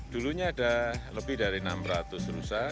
dulunya ada lebih dari enam ratus rusa